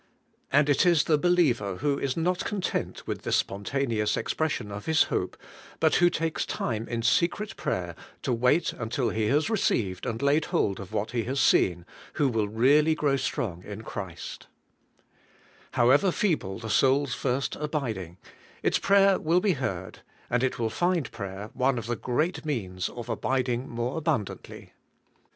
And it is the believer, who is not content with this spontaneous expression of his hope, but who takes time in secret prayer to wait until he has received and laid hold of what he, has seen, who will really grow strong in Christ. 158 ABIDE IN CHRIST: However feeble the soul's first abiding, its prayer will be heard, and it will find prayer one of the great means of abiding more abundantly.